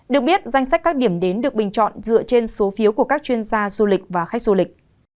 được biết danh sách các điểm đến được bình chọn dựa trên số phiếu của các chuyên gia du lịch và khách du lịch